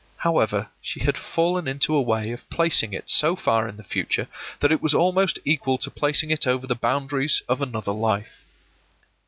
However, she had fallen into a way of placing it so far in the future that it was almost equal to placing it over the boundaries of another life.